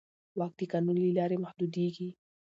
واک د قانون له لارې محدودېږي.